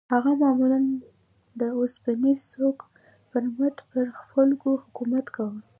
هغه معمولاً د اوسپنيز سوک پر مټ پر خلکو حکومت کاوه.